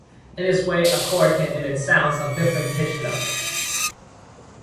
In this way a chord can emit sounds of different pitch levels.